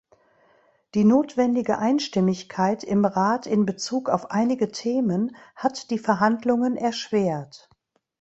Die notwendige Einstimmigkeit im Rat in Bezug auf einige Themen hat die Verhandlungen erschwert.